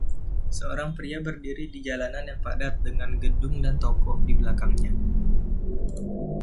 Seorang pria berdiri di jalanan yang padat dengan gedung dan toko di belakangnya.